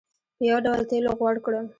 په یو ډول تېلو غوړ کړ.